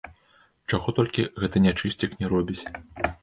Чаго толькі гэты нячысцік не робіць!